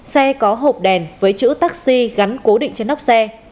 xe có hộp đèn với chữ taxi gắn cố định trên nóc xe